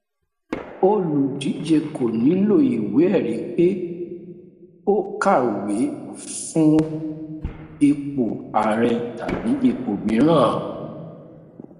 Olùdíje kò nílò ìwé ẹ̀rí pé ó kàwé fún ìpò ààrẹ tàbí ipò míràn.